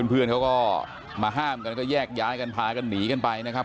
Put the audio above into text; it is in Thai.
เพื่อนเขาก็มาห้ามกันก็แยกย้ายกันพากันหนีกันไปนะครับ